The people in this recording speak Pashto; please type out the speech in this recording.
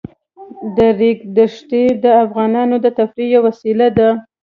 د ریګ دښتې د افغانانو د تفریح یوه وسیله ده.